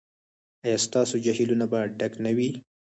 ایا ستاسو جهیلونه به ډک نه وي؟